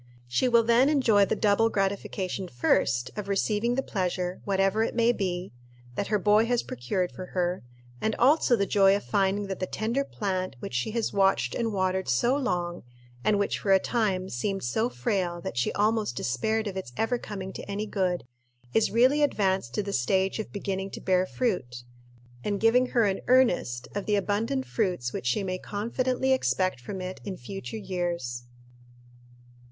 She will then enjoy the double gratification, first, of receiving the pleasure, whatever it may be, that her boy has procured for her, and also the joy of finding that the tender plant which she has watched and watered so long, and which for a time seemed so frail that she almost despaired of its ever coming to any good, is really advanced to the stage of beginning to bear fruit, and giving her an earnest of the abundant fruits which she may confidently expect from it in future years.